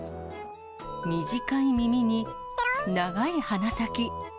短い耳に長い鼻先。